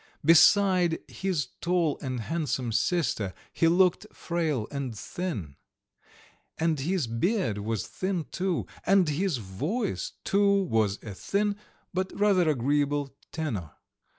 Beside his tall and handsome sister he looked frail and thin; and his beard was thin too, and his voice, too, was a thin but rather agreeable tenor.